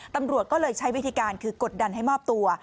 ตำรวจก็เลยใช้วิธีการคือกดดันให้มอบตัว